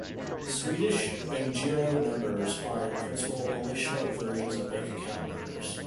Swedish Bankgiro numbers are in principle only short versions of bank account numbers.